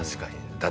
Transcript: だって。